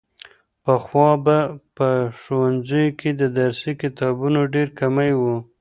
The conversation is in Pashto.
پخوا به په ښوونځیو کې د درسي کتابونو ډېر کمی و.